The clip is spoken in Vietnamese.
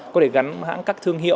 có thể gắn hãng các thương hiệu